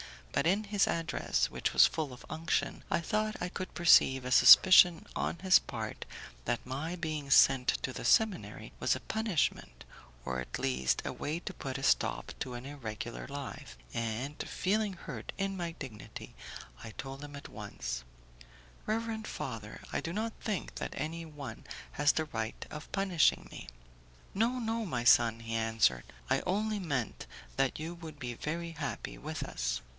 But in his address (which was full of unction) I thought I could perceive a suspicion on his part that my being sent to the seminary was a punishment, or at least a way to put a stop to an irregular life, and, feeling hurt in my dignity, I told him at once, "Reverend father, I do not think that any one has the right of punishing me." "No, no, my son," he answered, "I only meant that you would be very happy with us."